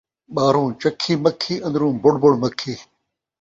ٻاہروں چکھی مکھی، اندروں بُڑ بُڑ مکھی